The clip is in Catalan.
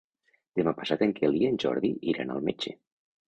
Demà passat en Quel i en Jordi iran al metge.